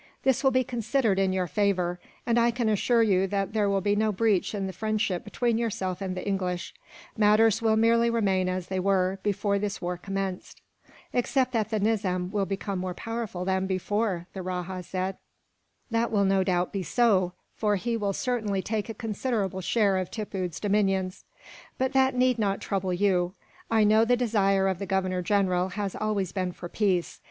This will be considered in your favour, and I can assure you that there will be no breach in the friendship between yourself and the English; matters will merely remain as they were, before this war commenced." "Except that the Nizam will become more powerful than before," the rajah said. "That will no doubt be so, for he will certainly take a considerable share of Tippoo's dominions. But that need not trouble you. I know the desire of the Governor General has always been for peace.